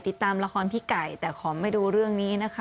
ติดตามละครพี่ไก่แต่ขอไม่ดูเรื่องนี้นะคะ